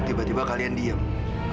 tiba tiba kalian diem